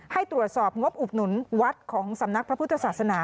ให้ตรวจสอบงบอุดหนุนวัดของสำนักพระพุทธศาสนา